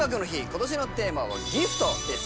今年のテーマは「ＧＩＦＴギフト」です